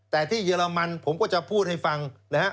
แต่ที่เยอรมันผมก็จะพูดให้ฟังนะฮะ